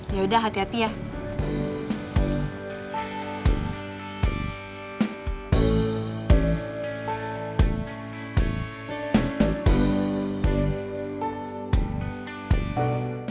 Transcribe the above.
yaudah hati hati ya